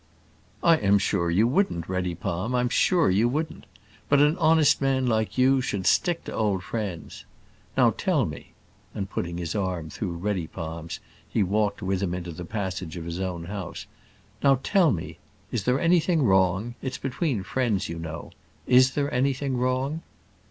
"I am sure you wouldn't, Reddypalm; I'm sure you wouldn't. But an honest man like you should stick to old friends. Now, tell me," and putting his arm through Reddypalm's, he walked with him into the passage of his own house; "Now, tell me is there anything wrong? It's between friends, you know. Is there anything wrong?"